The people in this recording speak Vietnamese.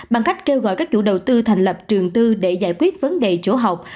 bằng cách kêu gọi các chủ đầu tư thành lập trường tư để giải quyết vấn đề chỗ học